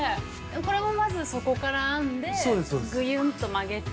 これもまず底から編んでぐゆんと曲げて。